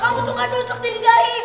kamu tuh gak cucuk jadi dahi